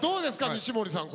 西森さん